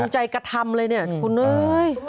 จงใจกระทำเลยนี่คุณเฮ้ย